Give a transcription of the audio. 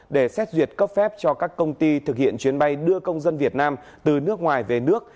để xét duyệt cấp phép cho các công ty thực hiện chuyến bay đưa công dân việt nam từ nước ngoài về nước